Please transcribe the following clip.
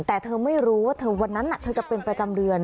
แต่เธอไม่รู้ว่าเธอวันนั้นเธอจะเป็นประจำเดือน